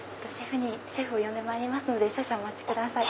シェフを呼んでまいりますので少々お待ちください。